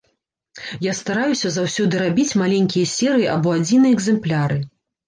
Я стараюся заўсёды рабіць маленькія серыі або адзіныя экзэмпляры.